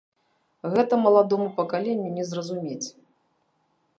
Гэтага маладому пакаленню не зразумець.